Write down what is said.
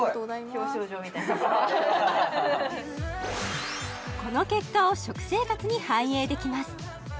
表彰状みたいこの結果を食生活に反映できます